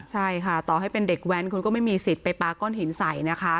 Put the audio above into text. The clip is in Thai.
ใช่ค่ะต่อให้เป็นเด็กแว้นคุณก็ไม่มีสิทธิ์ไปปาก้อนหินใส่นะคะ